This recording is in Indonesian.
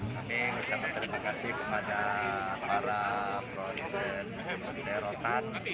saya ingin ucapkan terima kasih kepada para produsen bumilai rotan